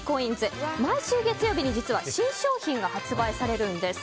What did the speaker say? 毎週月曜日に実は新商品が発売されるんです。